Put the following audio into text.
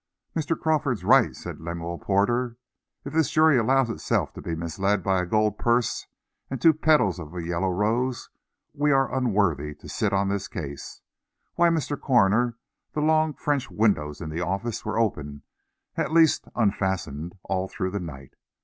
"Mr. Crawford's right," said Lemuel Porter. "If this jury allows itself to be misled by a gold purse and two petals of a yellow rose, we are unworthy to sit on this case. Why, Mr. Coroner, the long French windows in the office were open, or, at least, unfastened all through the night.